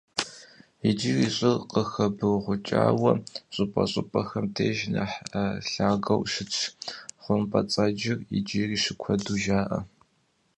Иджыри щӀыр къыхэбыргъукӀауэ, щӀыпӀэщӀыпӀэхэм деж нэхъ лъагэу щытщ, хъумпӀэцӀэджыр иджыри щыкуэду жаӀэ.